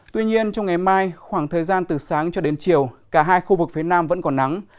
tuy nhiên trong ngày mai khoảng thời gian từ sáng cho đến chiều cả hai khu vực phía nam vẫn còn nắng